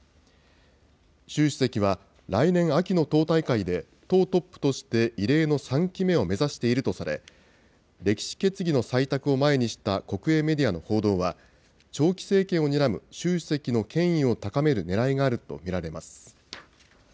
習主席は、来年秋の党大会で、党トップとして異例の３期目を目指しているとされ、歴史決議の採択を前にした国営メディアの報道は、長期政権をにらむ習主席の権威を高めるねらいがあると見られます。